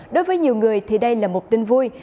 đối với nhiều người thì đây là một tin vui